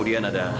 padahal apa dah